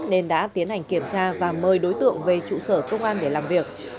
nên đã tiến hành kiểm tra và mời đối tượng về trụ sở công an để làm việc